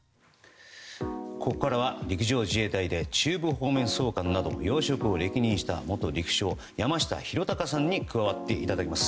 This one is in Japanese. ここからは陸上自衛隊で中部方面総監など要職を歴任した元陸将の山下裕貴さんに加わっていただきます。